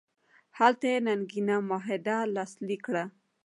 هلته یې ننګینه معاهده لاسلیک کړه.